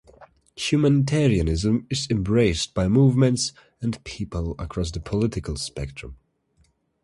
Humanitarianism is embraced by movements and people across the political spectrum.